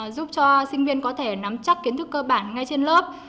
giúp cho sinh viên có thể nắm chắc kiến thức cơ bản ngay trên lớp